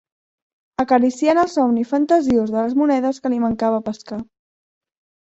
Acariciant el somni fantasiós de les monedes que li mancava pescar